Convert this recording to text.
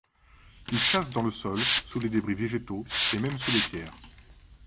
Il chasse dans le sol, sous les débris végétaux et même sous les pierres.